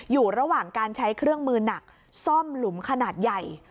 อยู่ระหว่างการใช้เครื่องมือหนักซ่อมหลุมขนาดใหญ่